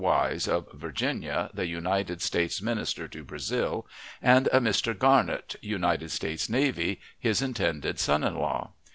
Wise, of Virginia, the United States minister to Brazil, and a Dr. Garnett, United States Navy, his intended son in law.